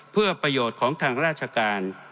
เพื่อประโยชน์ของทางราชการ